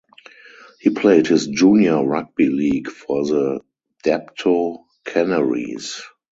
He played his junior rugby league for the Dapto Canaries.